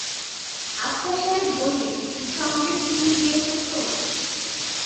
আফসার সাহেব বললেন, সঙ্গে সিম দিয়েছ তো?